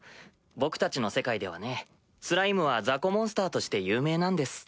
僕たちの世界ではねスライムは雑魚モンスターとして有名なんです。